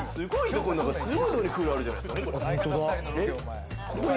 すごいところにクーラーあるじゃないですか。